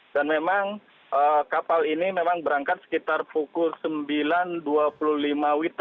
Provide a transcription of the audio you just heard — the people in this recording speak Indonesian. dan memang kapal ini memang berangkat sekitar pukul sembilan dua puluh lima w